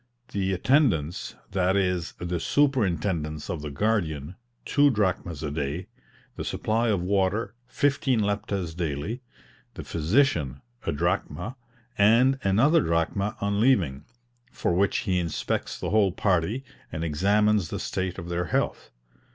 the attendance, that is, the superintendence of the guardian, two drachmas a day; the supply of water, fifteen leptas daily; the physician, a drachma; and another drachma on leaving, for which he inspects the whole party, and examines the state of their health.